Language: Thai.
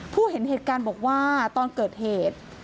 เห็นเหตุการณ์บอกว่าตอนเกิดเหตุ